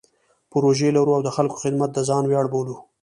پروژې لرو او د خلکو خدمت د ځان ویاړ بولو.